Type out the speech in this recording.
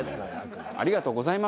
ありがとうございます。